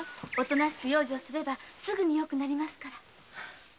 養生すればすぐによくなりますから。